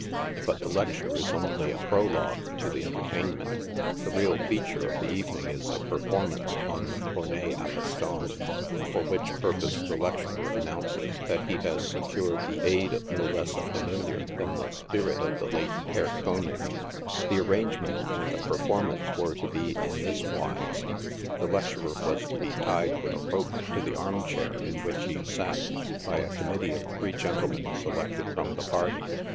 But the lec ture is only a prologue to the entertainment. The real feature of the evening is a performance on the cornet a pistons, for which pur pose the lecturer announces that he has secured the aid of no less a familiar than the spirit of the late Herr Koenig ! The arrangements for the performance were to be in this wise. The lecturer was to be tied with a rope to the arm chair in which he sat, by a committee of three gentlemen selected from the party.